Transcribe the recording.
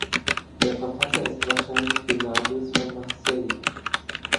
Der Verfasser ist wahrscheinlich Gennadius von Marseille.